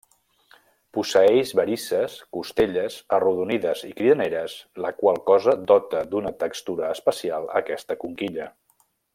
Posseïx varices, costelles, arrodonides i cridaneres, la qual cosa dota d'una textura especial aquesta conquilla.